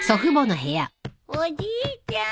おじいちゃーん。